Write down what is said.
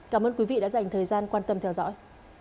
cảm ơn quý vị đã dành thời gian quan tâm theo dõi